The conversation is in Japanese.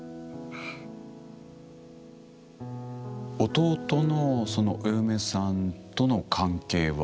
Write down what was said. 弟のそのお嫁さんとの関係は？